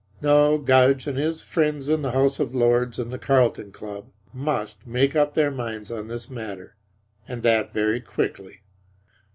No, Gudge and his friends in the House of Lords and the Carlton Club must make up their minds on this matter, and that very quickly.